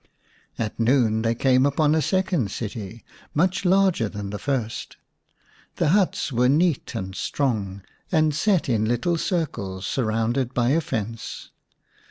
At noon they came upon a second city, much larger than the first. The huts were neat and strong, and set in little circles surrounded by a fence.